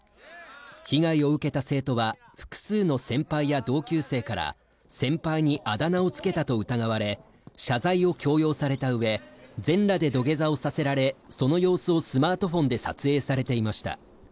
被害を受けた生徒は複数の先輩や同級生から先輩にあだ名をつけたと疑われ謝罪を強要されたうえ全裸で土下座をさせられその様子をスマートフォンで撮影されていました